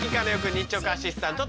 日直アシスタント